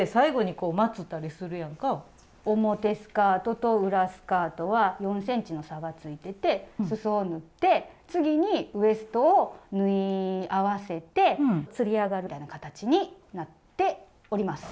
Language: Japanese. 表スカートと裏スカートは４ｃｍの差がついててすそを縫って次にウエストを縫い合わせてつり上がるみたいな形になっております。